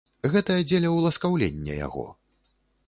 Гэта дзеля ўласкаўлення яго.